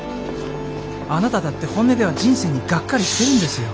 あなただって本音では人生にがっかりしてるんですよ。